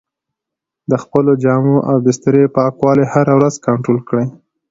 د خپلو جامو او بسترې پاکوالی هره ورځ کنټرول کړئ.